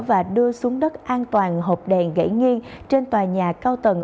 và đưa xuống đất an toàn hộp đèn gãy nghiêng trên tòa nhà cao tầng